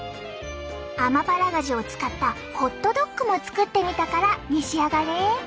アマパラガジュを使ったホットドッグも作ってみたから召し上がれ。